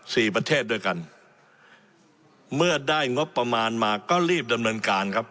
ประเทศด้วยกันเมื่อได้งบประมาณมาก็รีบดำเนินการครับ